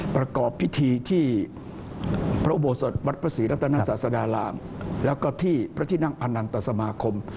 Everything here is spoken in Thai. ประกอบพิธีที่พระอุโบสถวัดพระศรีรัตนศาสดารามแล้วก็ที่พระที่นั่งพนันตสมาคม